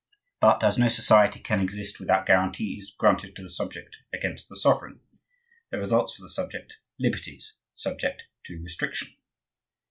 But, as no society can exist without guarantees granted to the subject against the sovereign, there results for the subject liberties subject to restriction.